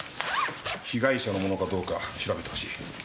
被害者のものかどうか調べてほしい。